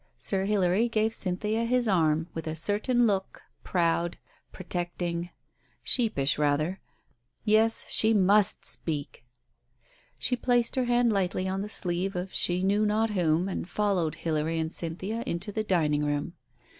Sir Hilary gave Cynthia his arm, with a certain look ... proud ... protecting ... sheepish rather. ... Yes, she must speak. She placed her hand lightly on the sleeve of she knew not whom, and followed Hilary and Cynthia into the dining room.